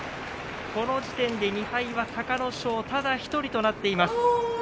この時点で２敗は隆の勝ただ１人となりました。